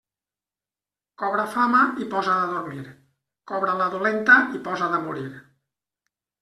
Cobra fama i posa't a dormir; cobra-la dolenta i posa't a morir.